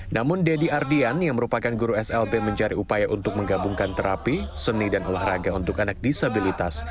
namun deddy ardian yang merupakan guru slb mencari upaya untuk menggabungkan terapi seni dan olahraga untuk anak disabilitas